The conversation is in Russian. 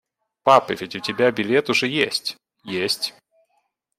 Папа, ведь у тебя билет уже есть? – Есть.